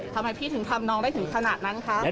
ทำให้พี่ทำน้องได้ถึงขนาดนั้นครับ